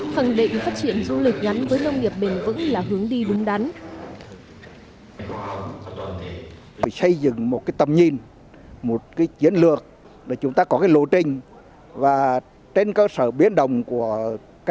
khẳng định phát triển du lịch gắn với nông nghiệp bền vững là hướng đi đúng đắn